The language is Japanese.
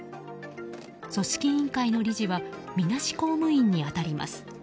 組織委員会の理事はみなし公務員に当たります。